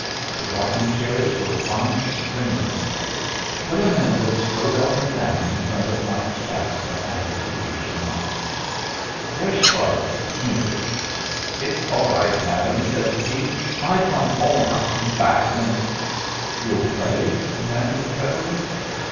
The rocking chairs were plying strenuously; but Amanda strode up and down in front of Mount Shasta and Lucretia Mott. Herr Schwartz entered. "It's all right, madam," said he. "My trombone haf come back, und " "You'll play?" demanded the president.